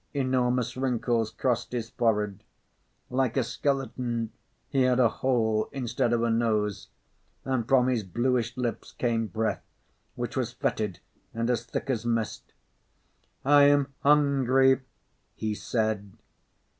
Enormous wrinkles crossed his forehead. Like a skeleton, he had a hole instead of a nose, and from his bluish lips came breath which was fetid and as thick as mist. "I am hungry," he said.